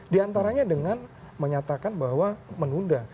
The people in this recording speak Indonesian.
di antaranya dengan menyatakan bahwa menunda